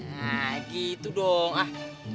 nah gitu dong ah